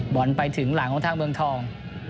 บอลไปถึงหลังของทางเมืองทอง